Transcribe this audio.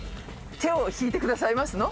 手を引いてくださいますの？